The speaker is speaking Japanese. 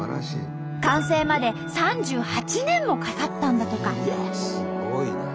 完成まで３８年もかかったんだとか。